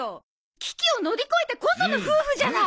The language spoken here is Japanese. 危機を乗り越えてこその夫婦じゃない。